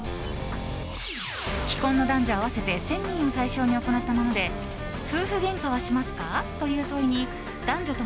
既婚の男女合わせて１０００人を対象に行ったもので夫婦げんかはしますか？という問いに男女共